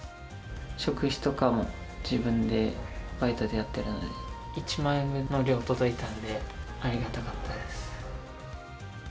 食費とかも自分でバイトでやってるので、１万円分の量が届いたので、ありがたかったです。